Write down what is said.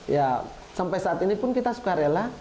ya sampai saat ini pun kita suka rela